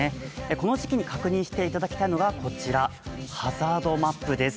この時期に確認していただきたいのが、こちらハザードマップです。